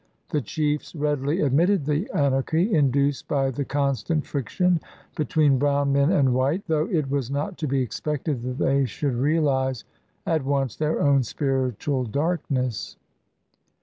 The chiefs readily admitted the anarchy induced by the constant friction between brown men and white, though it was not to be expected that they should realize at once their own spiritual darkness.